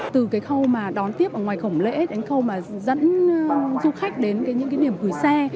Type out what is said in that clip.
từ cái khâu mà đón tiếp ở ngoài khổng lễ đến khâu mà dẫn du khách đến những cái điểm gửi xe